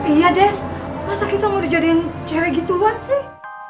iya des masa kita mau dijadiin cewek gituan sih